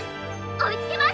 おいつけます！」。